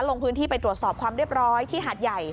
ลงพื้นที่ไปตรวจสอบความเรียบร้อยที่หาดใหญ่